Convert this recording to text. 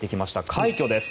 快挙です。